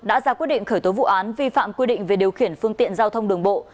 đã ra quyết định khởi tố vụ án vi phạm quy định về điều khiển phương tiện giao thông đường bộ